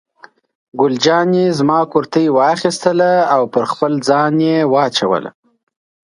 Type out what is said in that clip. ګل جانې زما کورتۍ واخیستله او پر خپل ځان یې واچوله.